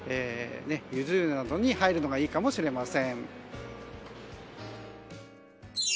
ユズ湯などに入るのがいいかもしれません。